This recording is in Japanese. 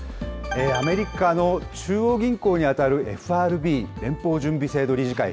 アメリカの中央銀行に当たるＦＲＢ・連邦準備制度理事会。